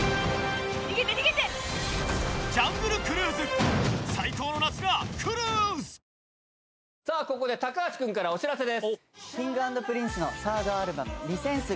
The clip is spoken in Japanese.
続いてはここで橋君からお知らせです。